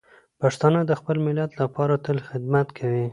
پښتانه د خپل ملت لپاره تل خدمت کوي.